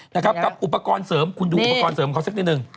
นะครับกับอุปกรณ์เสริมคุณดูอุปกรณ์เสริมเขาสักนิดนึง